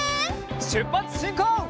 しゅっぱつしんこう！